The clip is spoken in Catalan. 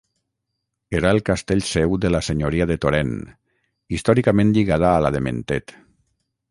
Era el castell seu de la senyoria de Torèn, històricament lligada a la de Mentet.